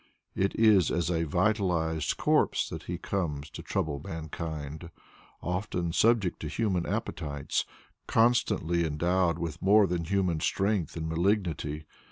It is as a vitalized corpse that he comes to trouble mankind, often subject to human appetites, constantly endowed with more than human strength and malignity.